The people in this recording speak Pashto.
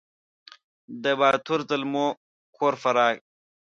د باتور زلمو کور فراه